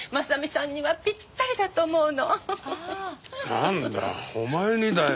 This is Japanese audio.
なんだお前にだよ。